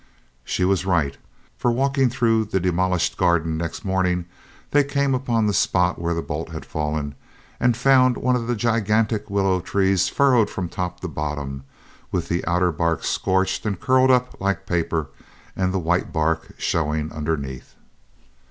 She was right, for walking through the demolished garden next morning, they came upon the spot where the bolt had fallen and found one of the gigantic willow trees furrowed from top to bottom, with the outer bark scorched and curled up like paper and the white bark showing underneath.